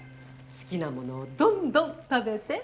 好きなものをどんどん食べて。